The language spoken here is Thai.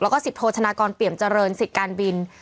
แล้วก็สิบโทธนากรเปี่ยมเจริญสิทธิ์การบิน